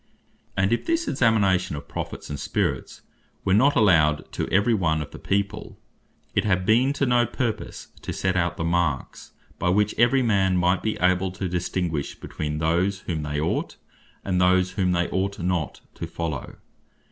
And if this examination of Prophets, and Spirits, were not allowed to every one of the people, it had been to no purpose, to set out the marks, by which every man might be able, to distinguish between those, whom they ought, and those whom they ought not to follow.